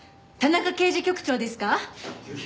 田中刑事局長ですか？